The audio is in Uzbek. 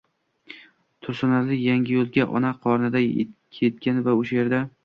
Tursunali Yangiyo’lga ona qornida ketgan va o’sha yerda